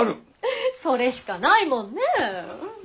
フッそれしかないもんね！